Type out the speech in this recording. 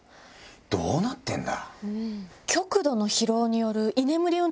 どうなってんだ？